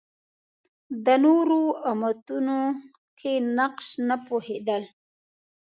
د نورو امتونو کې نقش نه پوهېدل